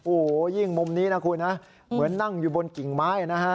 โอ้โหยิ่งมุมนี้นะคุณนะเหมือนนั่งอยู่บนกิ่งไม้นะฮะ